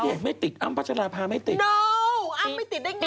แดดไม่ติดอัมพัชราภาไม่ติดโน้วอัมไม่ติดได้ไง